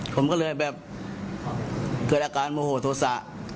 ผมก็เลยแบบเกิดอาการโมโหโทษะ